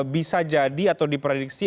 bisa jadi atau diprediksi